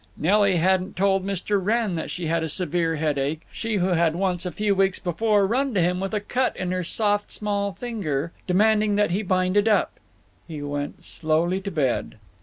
Nelly hadn't told Mr. Wrenn that she had a severe headache—she who had once, a few weeks before, run to him with a cut in her soft small finger, demanding that he bind it up…. He went slowly to bed.